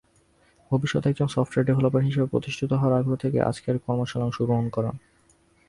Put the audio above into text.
ভবিষ্যতে একজন software developer হিসেবে প্রতিষ্ঠিত হওয়ার আগ্রহ থেকেই আজকের কর্মশালায় অংশগ্রহণকরা।